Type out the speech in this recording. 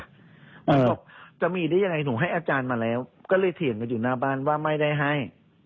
มันบอกจะมีได้ยังไงหนูให้อาจารย์มาแล้วก็เลยเถียงกันอยู่หน้าบ้านว่าไม่ได้ให้